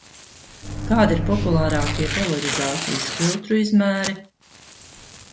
Kādi ir populārākie polarizācijas filtru izmēri?